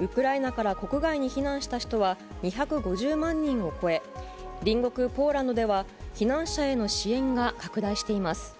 ウクライナから国外に避難した人は２５０万人を超え隣国ポーランドでは避難者への支援が拡大しています。